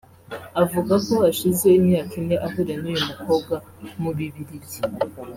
Avuga ko hashize imyaka ine ahuriye n’uyu mukobwa mu Bibiligi